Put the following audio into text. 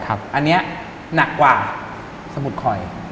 อันนี้หนักกว่าสมุดคอย